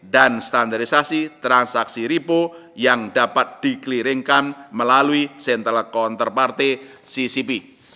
dan standarisasi transaksi ripo yang dapat dikeliringkan melalui sentral kontraparte ccp